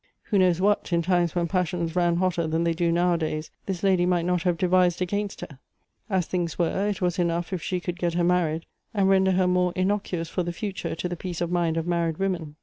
Who knows what, in times when passions ran hotter than they do now a days, this lady might not have devised against her ? As things were, it was enough if she could get her married, and render her more innocu ous for the future to the peace of mind of married women.